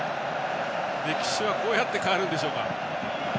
歴史はこうやって変わるんでしょうか。